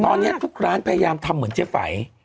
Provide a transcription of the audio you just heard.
ตอนนี้ทุกร้านพยายามทำเหมือนเจ๊ไฝ